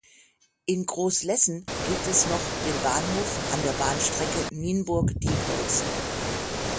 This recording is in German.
In Groß Lessen gibt es noch den Bahnhof an der Bahnstrecke Nienburg–Diepholz.